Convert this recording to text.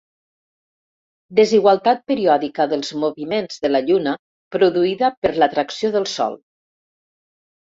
Desigualtat periòdica dels moviments de la Lluna produïda per l'atracció del Sol.